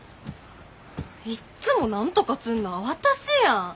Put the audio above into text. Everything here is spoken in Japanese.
いっつもなんとかすんのは私やん！